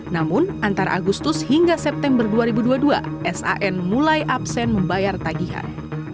namun antara agustus hingga september dua ribu dua puluh dua san mulai absen membayar tagihan